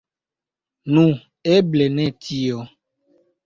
Nu, eble ne tio.